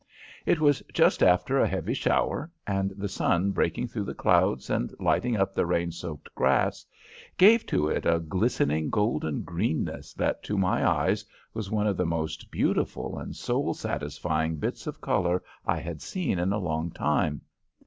It was just after a heavy shower, and the sun breaking through the clouds and lighting up the rain soaked grass gave to it a glistening golden greenness that to my eyes was one of the most beautiful and soul satisfying bits of color I had seen in a long time.